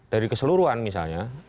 dari keseluruhan misalnya